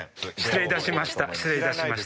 失礼いたしました。